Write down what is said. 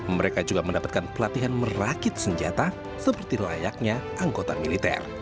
mereka juga mendapatkan pelatihan merakit senjata seperti layaknya anggota militer